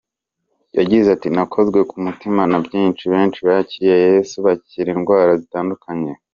Yagize ati : "Nakozwe ku mutima na byinshi, benshi bakiriye Yesu abandi bakira indwara zitandukanye."